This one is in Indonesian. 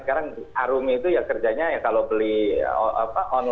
sekarang arumi itu ya kerjanya kalau beli online shop makeup itu harganya rp seratus